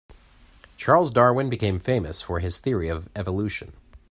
Charles Darwin became famous for his theory of evolution.